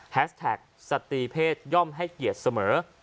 แท็กสตรีเพศย่อมให้เกียรติเสมอ